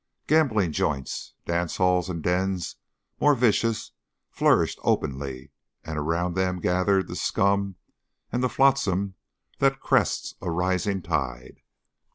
Gambling joints, dance halls, and dens more vicious flourished openly, and around them gathered the scum and the flotsam that crests a rising tide.